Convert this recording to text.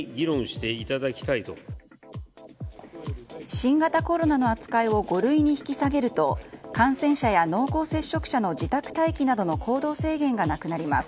新型コロナの扱いを五類に引き下げると感染者や濃厚接触者の自宅待機などの行動制限がなくなります。